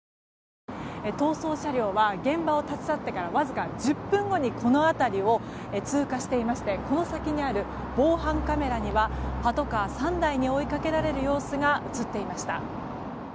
逃走車両は現場を立ち去ってからわずか１０分後にこの辺りを通過していましてこの先にある防犯カメラにはパトカー３台に追いかけられる様子が映っていました。